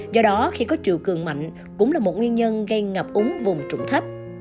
do đó khi có triều cường mạnh cũng là một nguyên nhân gây ngập úng vùng trụng thấp